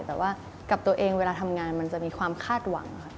แต่ว่ากับตัวเองเวลาทำงานมันจะมีความคาดหวังค่ะ